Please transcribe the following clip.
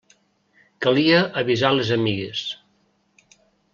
Calia avisar les amigues.